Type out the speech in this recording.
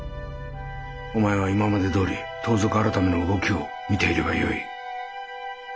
お前は今までどおり盗賊改の動きを見ていればよい。